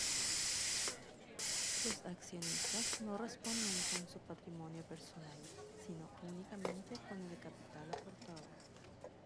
Los accionistas no responden con su patrimonio personal, sino únicamente con el capital aportado.